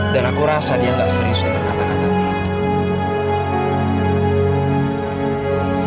dan aku rasa dia gak serius dengan kata kata itu